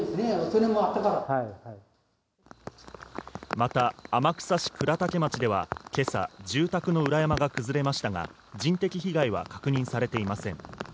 また、天草市倉岳町では、今朝、住宅の裏山が崩れましたが人的被害は確認されていません。